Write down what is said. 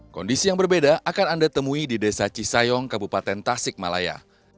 kondisi yang berbeda akan anda temui di desa cisayong kabupaten tasik malaya